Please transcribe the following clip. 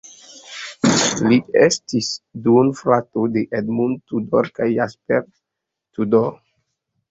Li estis duonfrato de Edmund Tudor kaj Jasper Tudor.